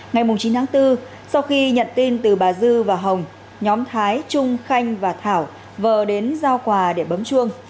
ngày chín tháng bốn sau khi nhận tin từ bà dư và hồng nhóm thái trung khanh và thảo vờ đến giao quà để bấm chuông